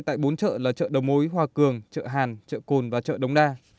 tại bốn chợ là chợ đồng mối hoa cường chợ hàn chợ cồn và chợ đông đa